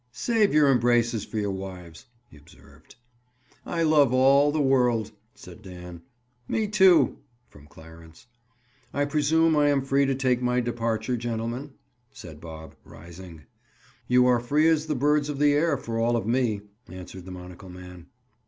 "Save your embraces for your wives," he observed. "I love all the world," said Dan. "Me, too!" from Clarence. "I presume I am free to take my departure, gentlemen?" said Bob, rising. "You are free as the birds of the air for all of me," answered the monocle man.